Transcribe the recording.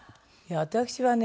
私はね